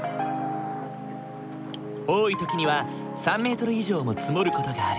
多い時には３ｍ以上も積もる事がある。